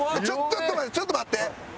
ちょっと待ってちょっと待って。